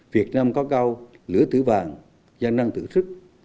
việt nam có cao lửa tử vàng gia năng tử sức